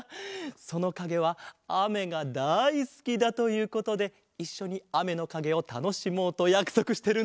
そのかげはあめがだいすきだということでいっしょにあめのかげをたのしもうとやくそくしてるんだアハハ。